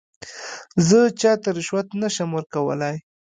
زه چاته رشوت نه شم ورکولای.